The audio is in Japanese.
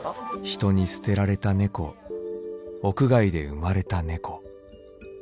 人に捨てられた猫屋外で生まれた猫。